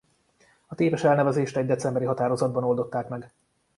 A téves elnevezést egy decemberi határozatban oldották meg.